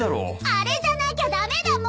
あれじゃなきゃ駄目だもん！